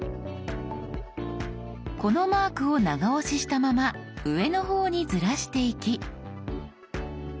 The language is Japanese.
このマークを長押ししたまま上の方にずらしていき。